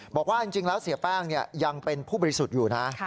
บอกว่าจริงแล้วเสียแป้งยังเป็นผู้บริสุทธิ์อยู่นะ